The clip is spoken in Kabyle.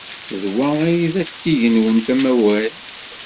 D wa ay d atig-nwent amaway?